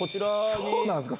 そうなんすか？